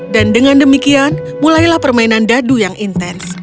dan dengan demikian mulailah permainan dadu yang intens